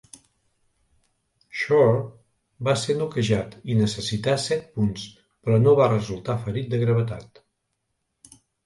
Shore va ser noquejat i necessità set punts, però no va resultar ferit de gravetat.